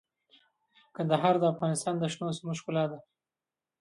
کندهار د افغانستان د شنو سیمو ښکلا ده.